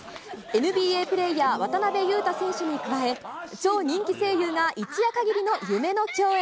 ＮＢＡプレーヤー、渡邊雄太選手に加え、超人気声優が一夜限りの夢の共演。